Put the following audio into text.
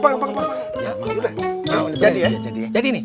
pak pak pak